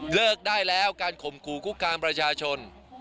เลิกได้แล้วการข่มขู่คุกคามประชาชน